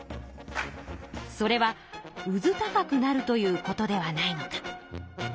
それは「うず高くなる」ということではないのか。